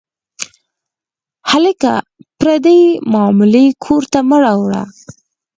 هلکه، پردۍ معاملې کور ته مه راوړه.